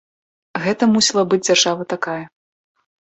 Гэта мусіла быць дзяржава такая.